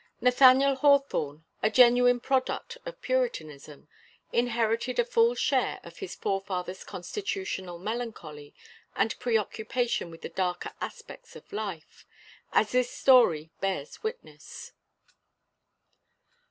Nathaniel Hawthorne, a genuine product of Puritanism, inherited a full share of his forefathers' constitutional melancholy and preoccupation with the darker aspects of life as this story bears witness.